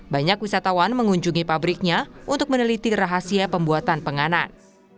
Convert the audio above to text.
banyak wisatawan mengunjungi pabriknya untuk meneliti rahasia pembuatan penganan